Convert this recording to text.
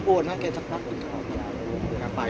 พี่อัดมาสองวันไม่มีใครรู้หรอก